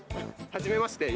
はじめまして。